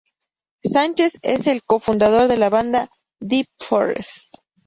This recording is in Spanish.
Sánchez es el co-fundador de la banda Deep Forest.